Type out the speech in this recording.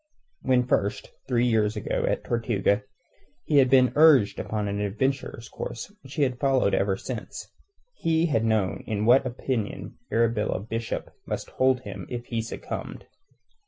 When first, three years ago, at Tortuga he had been urged upon the adventurer's course which he had followed ever since, he had known in what opinion Arabella Bishop must hold him if he succumbed.